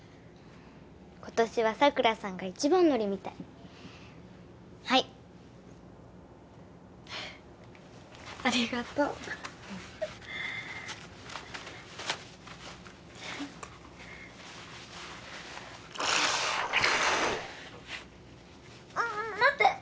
今年は佐倉さんが一番乗りみたいはいありがとう待って！